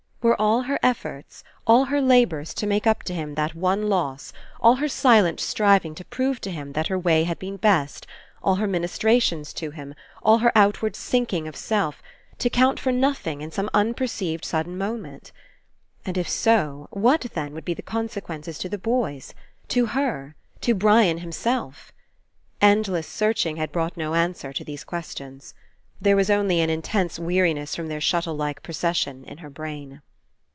Were all her efforts, all her labours, to make up to him that one loss, all her silent striving to prove to him that her way had been best, all her ministrations to him, all her outward sinking of self, to count for nothing In some unpercelved sudden moment? And If so, what, then, would be the conse quences to the boys? To her? To Brian him self? Endless searching had brought no answer to these questions. There was only an Intense weariness from their shuttle like procession In her brain.